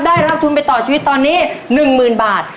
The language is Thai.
ได้รับทุนไปต่อชีวิตตอนนี้๑๐๐๐บาท